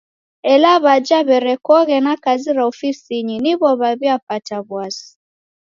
Ela w'aja w'erekoghe na kazi ra ofisinyi niwo w'aw'iapata w'asi.